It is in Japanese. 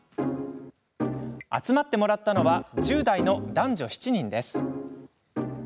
集まってもらったのは１０代の男女７人です。